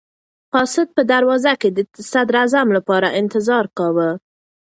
قاصد په دروازه کې د صدراعظم لپاره انتظار کاوه.